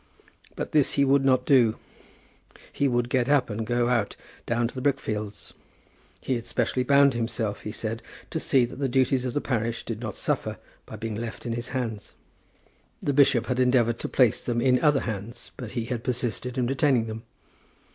But this he would not do. He would get up, and go out down to the brickfields. He had specially bound himself, he said, to see that the duties of the parish did not suffer by being left in his hands. The bishop had endeavoured to place them in other hands, but he had persisted in retaining them.